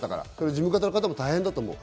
事務方の方も大変だと思う。